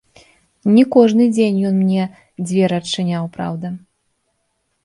Не кожны дзень ён мне дзверы адчыняў, праўда.